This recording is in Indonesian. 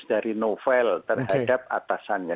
dari novel terhadap atasannya